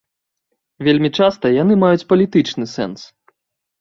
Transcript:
Вельмі часта яны маюць палітычны сэнс.